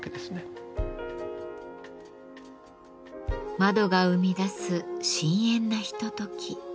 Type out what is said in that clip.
窓が生み出す深遠なひととき。